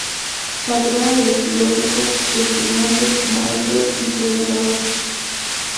Patrona de los filósofos, estudiantes, maestros y predicadores.